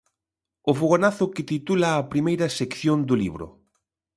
O fogonazo que titula a primeira sección do libro.